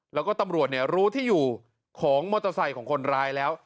แล้วก็ตำรวจรู้ที่อยู่ของมอเตอร์ไซค์ของคนร้ายแล้ว